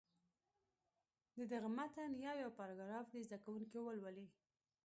د دغه متن یو یو پاراګراف دې زده کوونکي ولولي.